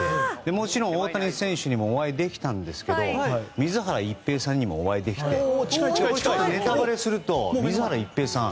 もちろん大谷選手にもお会いできたんですけど水原一平さんにもお会いできてネタバレすると、水原一平さん